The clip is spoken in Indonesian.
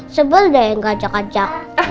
sebel deh yang ngajak ajak